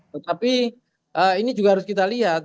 tetapi ini juga harus kita lihat